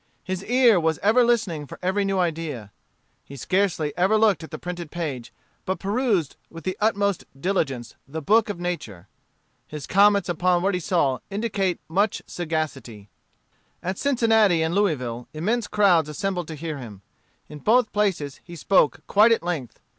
His ear was ever listening for every new idea. He scarcely ever looked at the printed page, but perused with the utmost diligence the book of nature. His comments upon what he saw indicate much sagacity. At Cincinnatti and Louisville, immense crowds assembled to hear him. In both places he spoke quite at length.